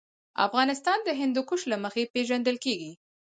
افغانستان د هندوکش له مخې پېژندل کېږي.